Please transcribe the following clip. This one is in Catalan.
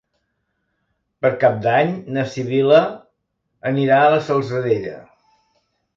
Per Cap d'Any na Sibil·la anirà a la Salzadella.